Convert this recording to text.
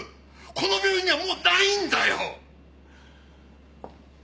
この病院にはもうないんだよ。